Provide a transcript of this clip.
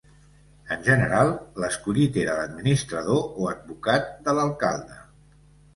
En general, l'escollit era l'administrador o advocat de l'alcalde.